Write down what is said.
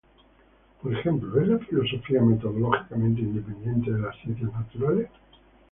Por ejemplo: ¿es la filosofía metodológicamente independiente de las ciencias naturales?